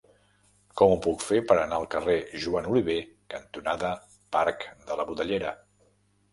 Com ho puc fer per anar al carrer Joan Oliver cantonada Parc de la Budellera?